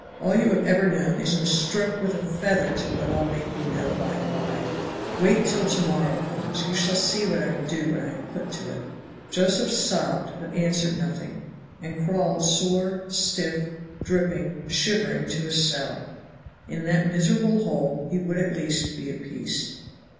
all you have ever known isn't a stroke with a feather to what I'll make you know by and by. Wait till to morrow comes, you shall see what I can do when I am put to it." Josephs sobbed, but answered nothing, and crawled sore, stiff, dripping, shivering to his cell. In that miserable hole he would at least be at peace.